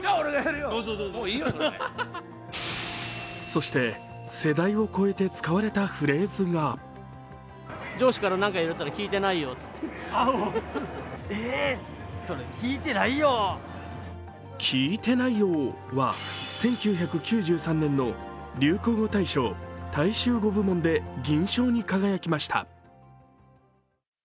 そして世代を超えて使われたフレーズが「聞いてないよぉ」は１９９３年の流行語大賞大衆語部門で銀賞に輝きました。